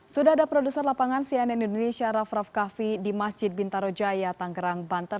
sudah ada produser lapangan sian indonesia raff raff kahfi di masjid bintarojaya tangerang banten